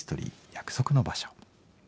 「約束の場所」。